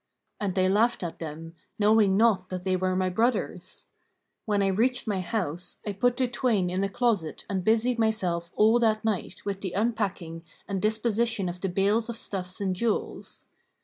And they laughed at them, knowing not that they were my brothers. When I reached my house, I put the twain in a closet and busied myself all that night with the unpacking and disposition of the bales of stuffs and jewels.